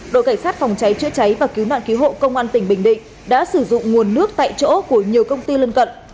đội cảnh sát phòng cháy chữa cháy và cứu nạn cứu hộ công an tỉnh bình định đã sử dụng nguồn nước tại chỗ của nhiều công ty lân cận